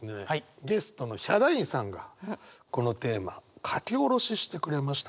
ゲストのヒャダインさんがこのテーマ書き下ろししてくれました。